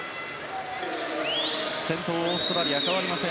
先頭、オーストラリア変わりません。